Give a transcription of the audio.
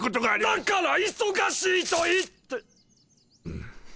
だから忙しいと言って。